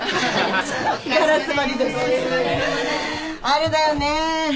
あれだよね。